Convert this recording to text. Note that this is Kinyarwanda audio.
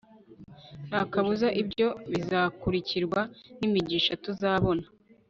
nta kabuza ibyo bizakurikirwa n'imigisha tuzabona